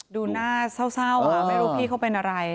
ดูหน้าเศร้าไม่รู้พี่เขาเป็นอะไร